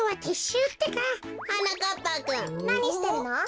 なにしてるの？